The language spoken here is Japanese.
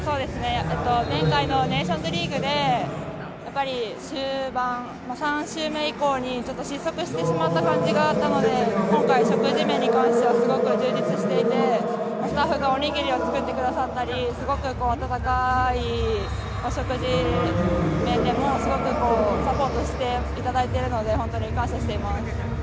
前回のネーションズリーグで終盤、３週目以降にちょっと失速してしまった感じがあったので今回、食事面に関してはすごく充実していて、スタッフがおにぎりを作ってくださったり、すごく温かいお食事面でもすごくサポートしていただいているので感謝しています。